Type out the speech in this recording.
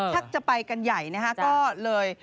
ทักจะไปกันใหญ่